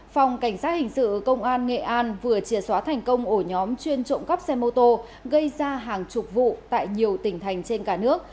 phòng cảnh sát hình sự công an nghệ an vừa chia xóa thành công ổ nhóm chuyên trộm cắp xe mô tô gây ra hàng chục vụ tại nhiều tỉnh thành trên cả nước